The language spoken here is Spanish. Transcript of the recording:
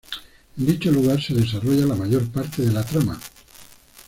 En dicho lugar se desarrolla la mayor parte de la trama.